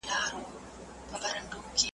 دلته چي هر خوږمن راغلی نیمه خوا وتلی .